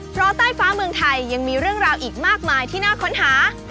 เพราะใต้ฟ้าเมืองไทยยังมีเรื่องราวอีกมากมายที่น่าค้นหา